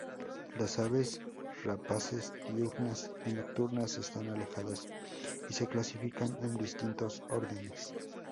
Las aves rapaces diurnas y nocturnas están alejadas y se clasifican en distintos órdenes.